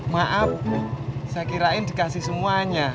maaf saya kirain dikasih semuanya